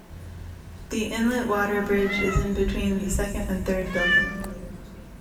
The inlet water bridge is in between the second and third building.